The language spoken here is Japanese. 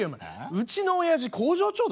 うちのおやじ工場長だぞ。